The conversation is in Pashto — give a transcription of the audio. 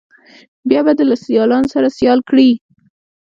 بیا به دې له سیالانو سره سیال کړي.